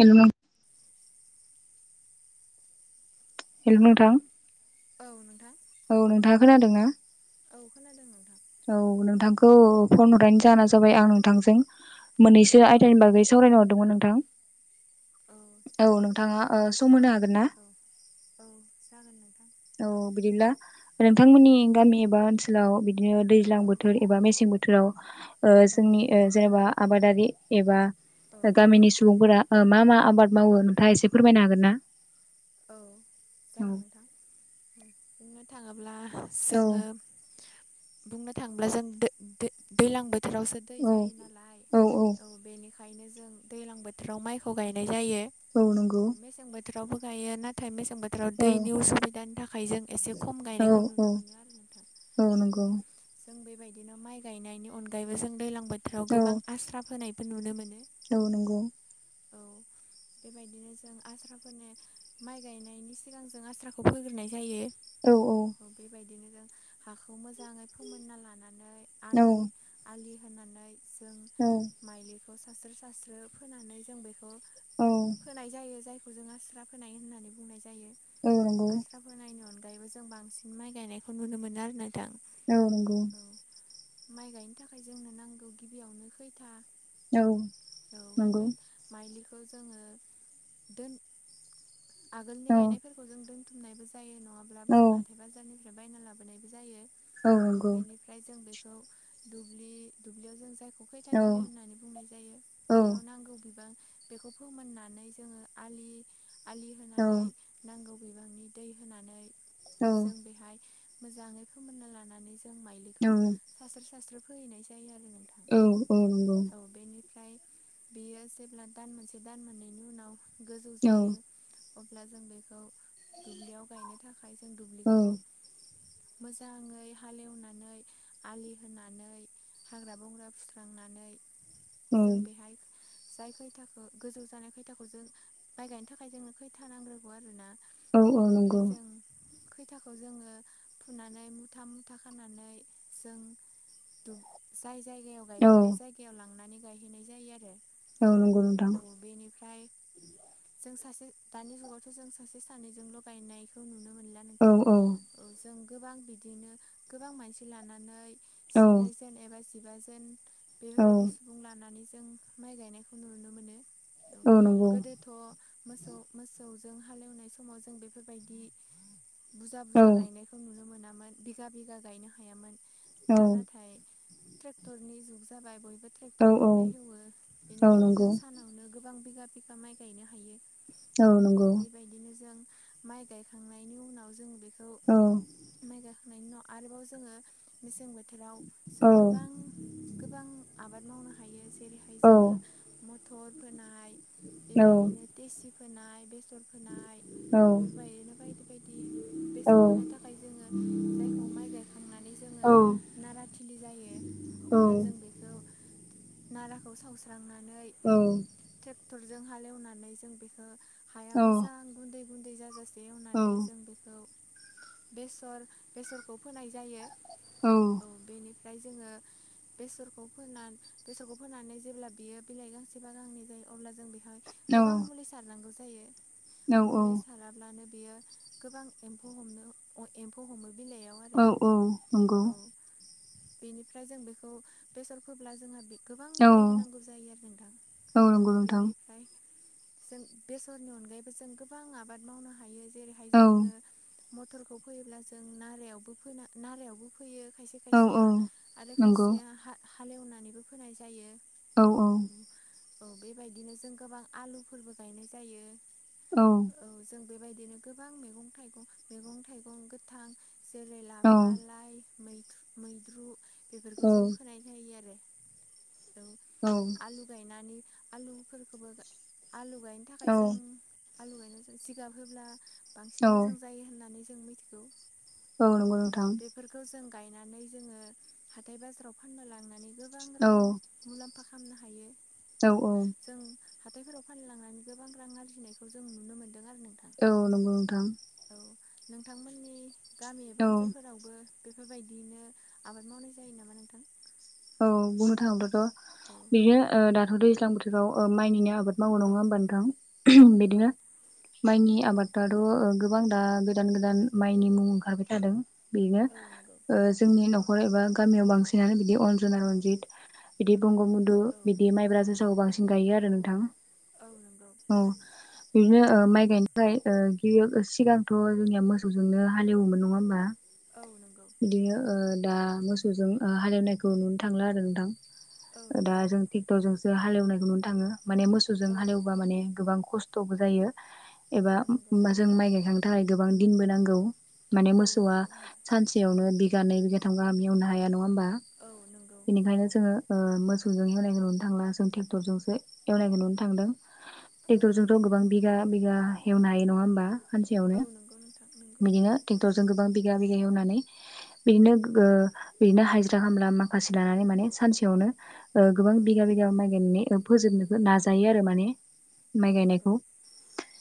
Hello नों हेल' नोंथां औ नोंथां औ नोंथाङा खोनादोंना औ खोनादों नोंथां औ नोंथां खौऔ फन हरनायनि औ जाहोना जाबाय आं नोंथांजों मोननैसो औ आयदानि बागै सावरायनो हरदोंमोन नोंथां औ औ जागोन दे नोंथाङा नोंथां ओ सम होनो हागोन ना? औ औ जागोन नोंथां औ बिदिब्ला नोंथांमोननि गामि एबा ओनसोलाव बिदिनो दैज्लां औ बोथोर एबा मेसें बोथोराव ओ औ जोंनि ओ जेनेबा आबादारि एबा औ गामिनि सुबुंफोरा ओ मा मा आबाद मावो नोंथाङा एसे फोरमायनो हागोन ना? औ औ जागोन नोंथां [unintelligible] ब्ला औ जोङो बुंनो थांब्ला जों दो-दो दैलां बोथ थोरावसो दै औ जायो नालाय औ बेनिख खायनो जों दैलां बोथोराव माइखौ गायनाय जायो। औ नंगौ। थोरावबो गायो नाथाय मेस सें बोथोराव औ दैनि उसुबिदानि थाखाय जों एसे खम औ गायनायखौ औ नुनो मोनो आरो नोंथां। औ नंगौ। जों बेबायदिनो माइ गायनायनि अनगायैबो जों दैलां बोथोराव औ गोबां आस्रा फोनायबो नुनो मोनो। औ नंगौ औ बेबायदिनो जों आस्राफोनाय माइ गायनायनि सिगां जों आस्राखौ फोग्रोनाय जायो। औ औ जों हाखौ मोजाङै फोमोनना लानानै औ आलि आलि होनानै जों औ माइलिखौ सास्रो सास्रो फोनानै जों बेखौ औ फोनाय जायो जायखौ जों आस्रा फोनाय होननानै बुंनाय जायो। औ आस्रा फोनायनि अनगायैबो जों बांसिन माइ गायनायखौ नुनो मोनो आरोना औ नंगौ माइ गायनो थाखाय जोंनो नांगौ गिबियावनो खैथा औ नंगौ खौ जोङो दोन आगोलनि औ गायनायफोरखौ जों दोन्थुमनायबो जायो न' नङाब्लाबो औ जों हाथाइ बाजारनिफ्राय बायना लाबोनायबो जायो औ बेनिफ्राय जों बे खौ दुब्लि-दुब्लियाव जों जायख औ खौखैथाथिलि होननानै बुंनाय जायो। औ बेयाव नांगौ बिबां बेखौ फोमोननानै जोङो आलि आलि औ होनानै नांगौ बिबांनि दै होनानै औ जों बेहाय मोजाङै फोमोन्ना लानानै जो जों माइलिखौ सास्रो सास्रो फोहैनाय जायो आरो नोंथां औ औ नंगौ। औ बेनिफ्राय बेयो जेब्ला दान मोनसे दान मोननैनि उनाव गोजौ जायो अब्ला जों बेखौ दुब्लियाव गायनो थाखाय जों दुब्लिखौ मोजाङै हालेवनानै आलि होनानै हाग्रा बंग्रा फुस्रांनानै जों बेहाय जाय खैथाखौ गोजौ जानाय खैथाखौ जों माइ गाय थाखाय जोंनो खैथा नांग्रोगौ आरोना बेनिफ्राय नंगौ जों खै थाखौ जोङो फुनानै मुथा मुथा खानानै जों दुब जाय जायगायाव औ गायगोन बे जायगायाव लांनानै गायहैनाय जायो आरो। औ नंगौ नोंथां। औ बेनिफ्राय जों सासे दानि। नो मोनला औ नोंथां औ ओ। जिनै। औ जों औ माइ गायनायखौ नु। औ नंगौ। मोसौ-मो। औ बुजा-बुजा गायनायखौ नुनो मोनामोन, बिगा-बिगा गायनो हायामोन। औ दा नाथाय ट्रेक्टरनि जुग जाबाय बयबो। औ ट्रेक्टरजोंनो हेवो औ बेनिखायनो नंगौ जों सानावनो गोबां बिगा-बिगा माइ गायनो हा। औ अ नंगौ बेबायदिनो जों माइ गायखांनायनि उनाव जों बे। खौ औ माइ गाखांनायनि उनाव आरोबाव जोङो मेसें बोथो। थोराव औ जों गोबां-गोबां आबाद मावनो हायो जेरैहाय औ जोङो म। थर फोनाय बेबायदिनो तेसि फोनाय, बेसर फोनाय। बेबायदिनो बायदि-बायदि बेसर फोनो थाखाय जोङो जायखौ माइ गायखांनानै जों। ङो नाराथिलि जायो औ अब्ला जों बेखौ। नाराखौ सावस्रांनानै औ औ ट्रेक्टरजों हालेवनानै जों बेखो। हाया औ मोजां गुन्दै-गुन्दै जाजासे एवनानै जों औ बेखौ। बेसर- बेसरखौ फोनाय जायो औ बेनि। फ्राय जोङो बेसरखौ फोना-बेसरखौ फोननानै जेब्ला बियो बिलाइ गांसेबा गांनै जायो अब्ला। जों बेहाय औ गोबां मुलि सारनांगौ। जायो औ मुलि साराब्लानो बियो गोबां एम्फौ हमनो अर एम्फौ हमो। बिलाइयाव आरो औ-औ नंगौ। औ बेनिफ्राय जों बेखौ बेसर फोब्ला जोंहा। गोबां औ मुलि होनांगौ जायो आरो नोंथां औ नंगौ नोंथां बेनिफ्राय। जों बेसरनि अनगायैबो जों गोबां आबाद मावनो हायो जेरैहाय औ जोङो। मटरखौ फैयोब्ला जों नारायावबो फोना नारायावबो फोयो। औ औ खायसे-खायसेया आरो नंगौ खायसेया हा-हालेवनानैबो फोनाय जायो। औ-औ। औ बेबायदिनो जों गोबां आलुफोरबो गायनाय जायो। औ। बेबायदिनो गोबां मैगं-थाइगं-मैगं-थाइगं गोथां जेरै औ लाफा-लाइ। मैु-मैद्रु बेफोरखौ जों फोनाय जायो आरो। औ आलु गायनानै आलुफोरखौबो। आलु गायनो थाखाय औ जों आलु गायनो जिगाब होब्ला औ बांसिन मोजां जायो होननानै जों। मिथिगौ औ नंगौ नोंथां। बेफोरखौ जों गायनानै जोङो हाथाइ-बाजाराव फाननो लांनानै गोबां औ रां मुलाम्फा खा। लामनो हायो। औ जों हा। हाथाइफोराव फाननो लांनानै गोबां रां आरजिनायखौ जों नुनो मोनो। औ नंगौ नोंथां। औ नोंथांमोननि गामि एबा औ ओनसोलफोरावबो। बेफोरबायदियैनो आबाद मावनाय जायो नामा नोंथां? औ बुंनो थाङोब्लाथ' औ बिदिनो ओ दाथ' दैज्लां बोथोराव ओ माइनिनो आबा। आबाद मावो औ नङा होमबा नोंथां औ नंगौ बिदिनो माइनि औ आबाददाथ' गोबां। गोबां दा गोदान-गोदान माइनि मुं ओंखारबाय थादों बेनो औ नंगौ ओ जोंनि न'खर एबा। गामियाव बांसिनानो बिदि अन। जोंना औ रनजित बिदि बंग बन्धु औ बिदि माइब्रा, जोसाखौ बांसिन गायो आरो नोंथां। औ नंगौ औ बिदिनो ओ माइ गायनो थाखाय ओ। बेयो सिगांथ' जोंनिया मोसौजोंनो हालेवोमोन नङा होमबा? औ नंगौ बिदिनो ओ दा मोसौजों ओ हालेवनायखौ नुनो थांला आरो नोंथां। औ दा नंगौ जों नंगौ टेक्टरजोंसो हालेवनायखौ नुनो थाङो माने मोसौजों औ हालेवबा माने गोबां खस्थ'बो जायो औ एबा नंगौ जों माइ गायखांनो थाखाय गोबां दिनबो नांगौ माने औ मोसौआ नंगौ सानसेयावनो बिगानैै बिगाथाम गाहामियावनो हाया नङा होमबा औ नंगौ बेनिखायनो जोङो ओ मोसौजों एवनायगोन नआवनो थांला जों ट्रेक्टरजोंसो एवलायगोन नुनो थांदों औ ट्रेक्टरजोंथ' नंगौ गोबां बिगा बिगा हेवनो हायो नङा होमबा औ हानसेयावनो नंगौ नोंथां नंगौ बिदिनो ट्रेक्टरजों बिगा बिगा एवनानै बिदिनो ओ फथा खामब्ला माखासे लानानै माने सानसेयावनो गोबां औ बिघा बिघाब माइ गायनानै फोजोबनो नाजायो आरो माने औ माइ नंगौ गायनायखौ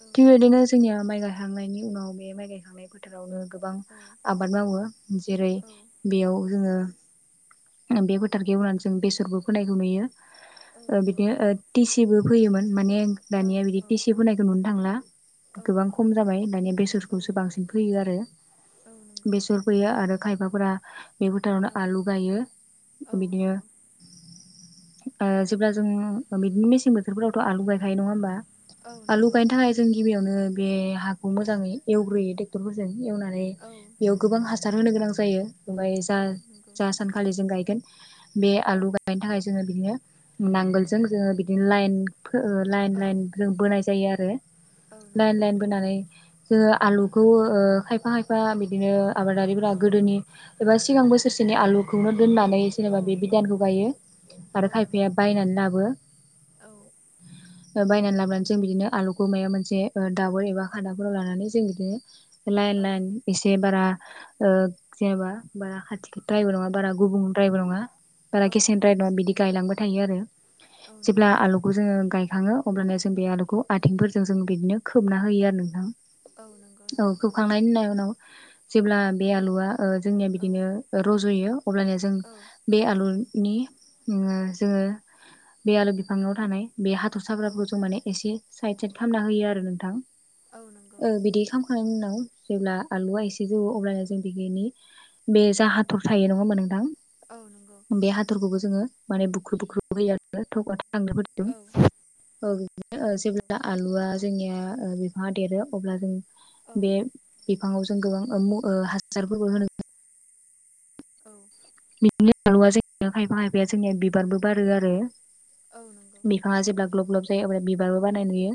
औ थिग बेबायदिनो जोंनिया माइ ग थांनायनि उनाव बे माइ गायखांनाय फोथारावनो गोबां औ आबाद मावो जेरै औ बेयाव जोङो बे फोथारखौवनानै जों बेसरबो फायखौ नुयो औ नंगौ बिदिनो टिसिबो फोयोमोन माने औ दानिया बिदि औ टिसि होनायखौ नुनो थांला औ गोबां नंगौ खम जाबाय नुनो दानिया मोनला औ बेसरखौसो बांसिन फैयो आरो औ नंगौ बेसर फैयो आरो खायफाफोरा बे भथानाव औ जायो औ बिदिनो नंगौ ओ जेब्ला जों मदिनो मेसें बोथोरफोरावथ' आलु गायखायो नङा होमबा? औ आलु नंगौ गायनो थाखाय जों औ गिबियावनो बे हाखौ मोजाङै एवग्रोयो ट्रेक्टरफोरजों एवनानै औ बेयाव औ गोबां हासार होनो गोनां जायो ओमफ्राय जा औ नंगौ ज सानखालि जों गायगोन बे औ आलु गायनो थाखाय जोङो बिदिनो नांगोलजों जोङो बिदिनो लाइन बो लाइन औ लाइन जों बोनाय जायो आरो औ लाइन नंगौ लाइन नोंथां बोनानै जोङो आलुखौ ओ खायफा खायफा बिदिनो आबादारिफोरा औ गोदोनि एबा सिगां बोसोर [unintelligible] आलु खु हो दोननानै जेनेबा बे औ औ बिधानखौ गायो आरो औ खायफाया नंगौ बायनानै लाबो औ [inaudible] ओ बायनानै लाबानै जों बिदिनो आलुखौ माबाया मोनसे ओ दाबउोर एबा खादाफोराव लानानै जों बिदिनो लाइन औ लाइन एसे बारा जेनेबा बारा खाथि खाथि द्रायबो नङा बारा गुबुं द्रायबो नङ औ बाराेसेन द्र नङा बिदि गायलांबाय थायो आरो औ जेब्ला नंगौ आलुखौ जोङो गायखाङो अब्लानो जों बे आलुखौ आथिंफोरजों जों बिदिनो खोबना होयो आरो नोंथां औ नंगौ औ नोंथां खोबखांनायनि होननाय उनाव जेब्ला बे आलुआ जोंनिया औ बिदिनो ओ रज'यो अब्लानया जों औ बे आलु नि जोङो बे आलु बिफाङाव थानाय बे औ हाथरसाग्राफोरखौ जों माने एसे साइद साइद खालामना होयो आरो नोंथां औ बिदि खालामखांनायनि उनाव जेब्ला आलुआ एसे जौो अब्लानो जों बिनि बे जा हाथर थायो नङा मोनोंदां औ नंगौ बे हाथरखौबो जोङो माने बुख्रुुब बुख्रु होयो आरो थग लांनो होदों औ औ बिदिनो नंगौ जेब्ला आलुआ जोंनिया बिफाङा देरो अब्ला जों औ बे बिफाङाव जों गोबां हासारफोरबो होनो औ बिदिनो आलुआ जोंनिया खायफा खायफाया जोंनिया बिबारबो बारो आरो औ नंगौ बिफाङा जेब्ला औ ग्लब ग्लब जायो अ बिबारबो बानाय नुयो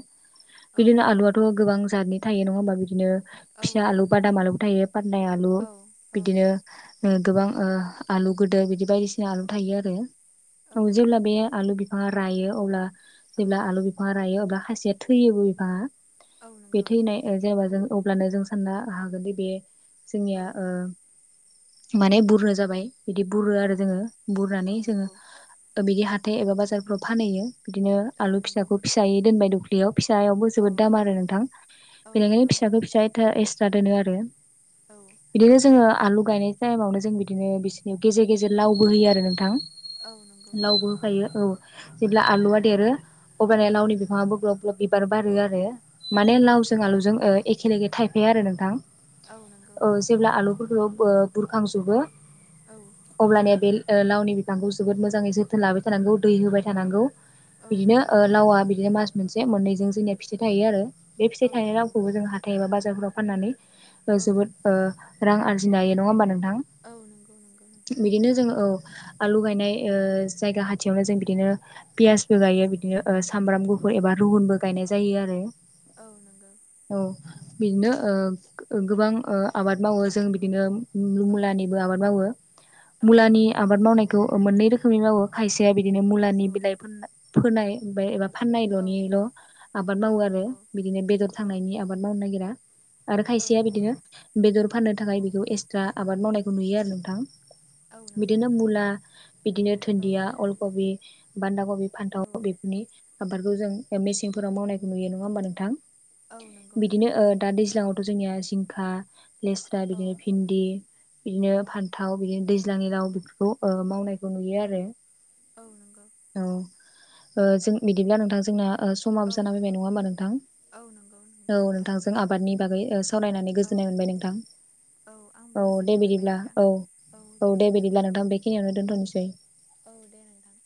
औ बिदिनो नंगौ आलुआथ' गोबां जातनि थायो नङा होमा बिदिनो औ फिसा आलु नंगौ नोंथां बादाम आलुबो थायो पाटनाय आलु औ औ बिदिनो ओह गोबां ओह आलु गोदोर बिदि बायदिसिना आलु थायो आरो औ जेब्ला बे आलु बिफाङा रायो अब्ला औ जेब्ला आलु बिफाङा रायो अब्ला खायसेया थैयोबो बिफाङा औ बे नंगौ थैनाय ओ जेनेबा जों अब्लानो जों साननो हागोनदि बे औ जोंनिया ओह माने बुरनो जाबाय बिदि बुरो औ आरो जोङो औ बुरनानै जोङो नंगौ बिदि हाथाइ एबा बाजारफ्राव फानहैयो बिदिनो औ आलु नंगौ फिसाखौ फिसायै दोनबाय दुखलियाव फिसायावबो औ जोबोद औ दाम आरो नोंथां औ बेनिखायनो नंगौ फिसाखो फिसा एथा एस जा दोनो आरो औ बिदिनो जोङो आलु गायनाय टाइमावनो जों बि बिदिनो बिसोरनि गेजेर गेजेर लावबो होयो आरो नोंथां औ नंगौ लावबो नंगौ होफायो औ जेब्ला आलुआ देरो औ अबलानिया लावनि बिफाङाआबो ग्लब ग्लब बिबार बारो आरो औ माने लावजों नंगौ आलुजों ओ एखेेलेगे थायफाया आरो नोंथां औ नंगौ औ जेब्ला आलु खौबो बुरखांजोबो औ अब्लानिया बेल ओ लावनि बिफांखौ जोबोद मोजाङै जोथोन लाबाय थानांगौ दै होबाय थानांगौ औ बिदिनो नंगौ ओ लावा बिदिनो मास मोनसे मोननैजों जोंनिया फिथाइ थायो आरो बे फिथाइ औ थायनाय नंगौ लावखौबो जों हाथाइ एबा बाजारफोराव फाननानै ओ औ जोबोद ओ रां आरजिनो हायो नङा होमबा नोंथां औ नंगौ नंगौ नोंथां बिदिनो जोङो औ आलु गायनाय ओह जायगा खाथियावनो जों बिदिनो औ पियासबो गायो बिदिनो सामब्राम औ गुफुर एबा रुहुनबो गायनाय जायो आरो औ नंगौ औ बिदिनो ओह गोबां ओह आबाद मावो जों बिदिनो औ मुलानि मुला आबाद मावो औ मुलानि आबाद मावनायखौ ओ मोननै रोखोमनि मावो खायसेया बे बिदिनो मुलानि बिलाइ फोननाय फोनाय ओमफाय एबा औ फाननायल'निल' आबाद मावो औ आरो नंगौ बिदिनो बेदर औ थांनायनि आबाद मावनो नागिरा आरो औ खायसेया नंगौ बिदिनो बेदर फाननो थाखाय औ बेखौ एक्सट्रा आबाद मावनायखौ नुयो आरो नोंथां औ नंगौ बिदिनो मुला बिदिनो औ धोन्दिया अलकबि बान्दा कबि औ फान्थाव बेफोरनि आबादखौ जों मेसेंफोराव मावनायखौ नुयो नङा होमबा नोंथां औ नंगौ बिदिनो नोंथां ओह नंगौ दा दैज्लांआवथ' जोंनिया जिंखा लेस्रा औ बिदिनो भिन्दि बिदिनो फान्थाव बिदिनो दैज्लांनि लाव बेफोरखौ ओह मावनायखौ नुयो आरो औ नंगौ। ओह जों बिदिब्ला नोंथां जोंना समाबो औ जाना फैबाय नङा होमा नोंथां औ नंगौ औ नंगौ नोंथां नोंथांजों आबादनि बागै ओह सावरायनानै औ गोजोननाय मोनबाय नोंथां औ आंबो औ दे गोजोननाय मोनबाय बिदिब्ला नोंथां औ औ दे बिदिब्ला नोंथां बेखिनियावनो दोनथ'नोसै औ दे नोंथां।